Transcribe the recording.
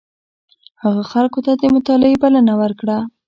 هغه خلکو ته د مطالعې بلنه ورکړه.